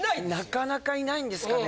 なかなかいないんですかね。